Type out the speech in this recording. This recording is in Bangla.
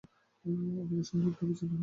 আমাদের সংযোগ কি বিচ্ছিন্ন হয়ে গেলো?